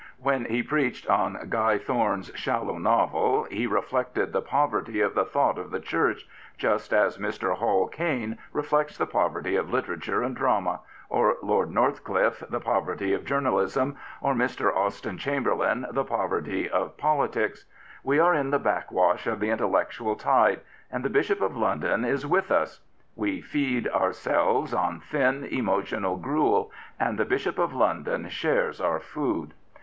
When he preached on Guy Thorne's shallow novel, he reflected the poverty of the thought of the Church, just as Mr. Hall Caine reflects the poverty of literature and drama, or Lord Northclifle the poverty of journalism, or Mr. Austen Chamberlain the poverty of politics. We are in the backwash of the intellectual tide, and the Bishop of London is with us. We feed ourselves on thin, emotional gruel, and the Bishop of London shares our food.